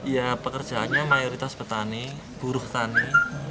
ya pekerjaannya mayoritas petani buruh tani